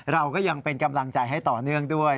เราก็ยังเป็นกำลังใจให้ต่อเนื่องด้วย